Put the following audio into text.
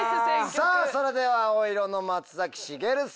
さあそれでは青色の松崎しげるさん